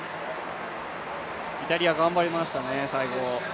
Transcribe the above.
イタリア、最後頑張りましたね。